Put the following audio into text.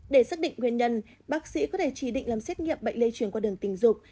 để xác định nguyên nhân bác sĩ có thể chỉ định làm xét nghiệm bệnh lây chuyển qua đường tình dục